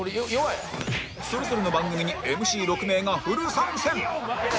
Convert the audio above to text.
それぞれの番組に ＭＣ６ 名がフル参戦！